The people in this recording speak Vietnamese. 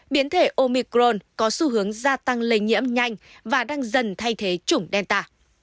biến thể omicron có xu hướng gia tăng lây nhiễm nhanh và đang dần thay thế chủng delta